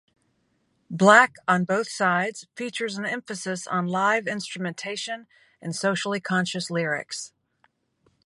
"Black on Both Sides" features an emphasis on live instrumentation and socially conscious lyrics.